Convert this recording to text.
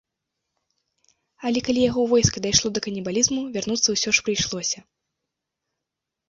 Але калі яго войска дайшло да канібалізму, вярнуцца ўсё ж прыйшлося.